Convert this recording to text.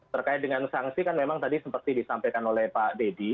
terkait dengan sanksi kan memang tadi seperti disampaikan oleh pak deddy